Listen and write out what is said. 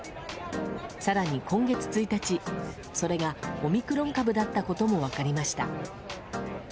更に今月１日、それがオミクロン株だったことも分かりました。